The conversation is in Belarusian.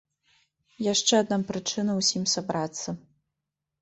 Яшчэ адна прычына ўсім сабрацца.